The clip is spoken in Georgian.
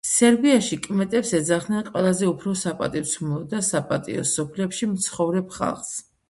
სერბიაში კმეტებს ეძახდნენ ყველაზე უფრო საპატივცემულო და საპატიო სოფლებში მცხოვრებ ხალხს.